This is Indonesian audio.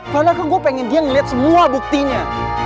valer kan gue pengen dia ngeliat semua buktinya